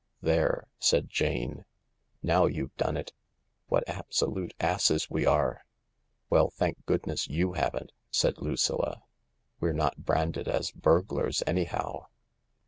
" There," said Jane, " now you've done it ! What abso lute asses we are !..."" WeU, thankgoodness^0whaven V' said Lucilla. " We're not branded as burglars, anyhow.